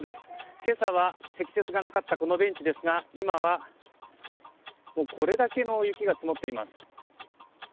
今朝は積雪がなかったこのベンチですが今はこれだけの雪が積もっています。